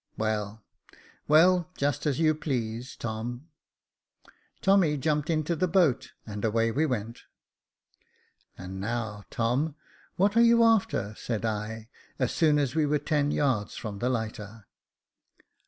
"Well, well, just as you please, Tom." Tommy jumped into the boat, and away we went. " And now, Tom, what are you after ?" said I, as soon as we were ten yards from the lighter.